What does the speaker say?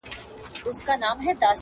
• يو ځوان وايي دا ټول تبليغ دئ..